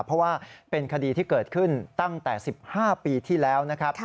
เพราะว่าเป็นคดีที่เกิดขึ้นตั้งแต่๑๕ปีที่แล้วนะครับ